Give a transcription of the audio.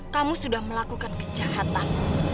kamu sudah melakukan kejahatan